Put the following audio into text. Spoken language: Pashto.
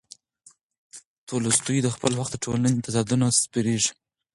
تولستوی د خپل وخت د ټولنې تضادونه سپړي.